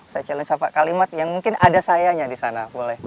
saya challenge pak kalimat yang mungkin ada sayanya di sana boleh